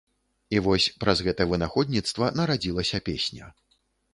І вось праз гэта вынаходніцтва нарадзілася песня.